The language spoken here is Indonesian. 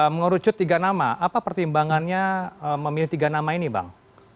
mengerucut tiga nama apa pertimbangannya memilih tiga nama ini bang